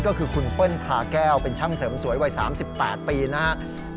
ก็คือคุณเปิ้ลทาแก้วเป็นช่างเสริมสวยวัย๓๘ปีนะครับ